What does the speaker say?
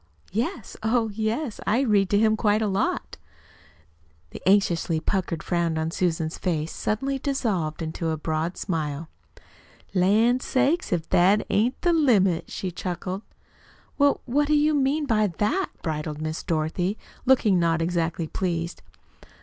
"Yes, oh, yes. I read to him quite a lot." The anxiously puckered frown on Susan's face suddenly dissolved into a broad smile. "Lan' sakes, if that ain't the limit!" she chuckled. "Well, what do you mean by that?" bridled Miss Dorothy, looking not exactly pleased.